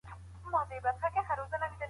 يو هلک دوه نور قلمان اخلي.